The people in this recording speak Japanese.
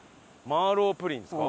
マーロウプリンですか？